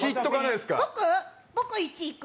僕、１いく？